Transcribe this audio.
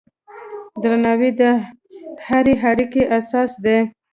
درناوی د هرې اړیکې اساس دی.